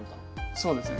そうですね。